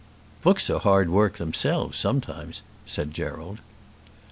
"Books are hard work themselves sometimes," said Gerald.